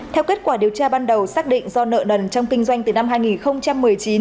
theo kết quả điều tra ban đầu xác định do nợ nần trong kinh doanh từ năm hai nghìn một mươi chín